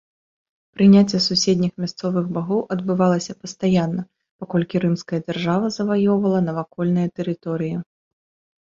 Прыняцце суседніх мясцовых багоў адбывалася пастаянна, паколькі рымская дзяржава заваёўвала навакольныя тэрыторыі.